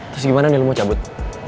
terus gimana nih lu mau cabut